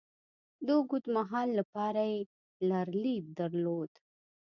د اوږد مهال لپاره یې لرلید درلود.